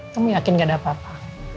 kamu yakin gak ada apa apa